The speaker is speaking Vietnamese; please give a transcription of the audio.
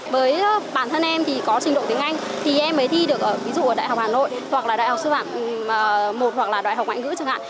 với bản thân em thì có trình độ tiếng anh thì em mới thi được ví dụ ở đại học hà nội hoặc là đại học sư phạm một hoặc là đại học ngoại ngữ chẳng hạn